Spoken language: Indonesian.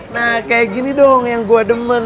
nah kayak gini dong yang gue demen